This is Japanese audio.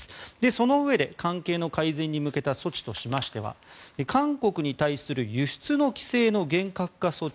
そのうえで関係の改善に向けた措置としましては韓国に対する輸出の規制の厳格化措置